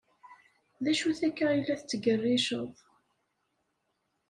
D acu akka ay la tettgerriceḍ?